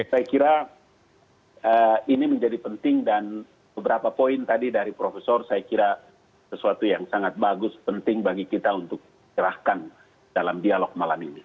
saya kira ini menjadi penting dan beberapa poin tadi dari profesor saya kira sesuatu yang sangat bagus penting bagi kita untuk cerahkan dalam dialog malam ini